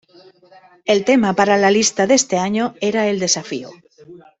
El tema para la lista de este año era el desafío.